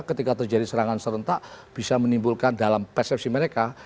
ketika terjadi serangan serentak bisa menimbulkan dalam persepsi mereka